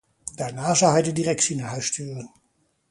Daarna zou hij de directie naar huis sturen.